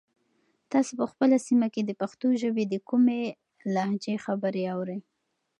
تاسو په خپله سیمه کې د پښتو ژبې د کومې لهجې خبرې اورئ؟